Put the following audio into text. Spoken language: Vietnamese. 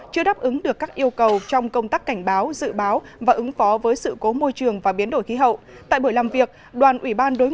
chưa đáp ứng được các yêu cầu trong công tác cảnh báo dự báo và ứng phó với sự cố môi trường và biến đổi khí hậu